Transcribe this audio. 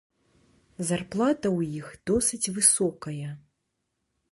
Зарплата ў іх досыць высокая.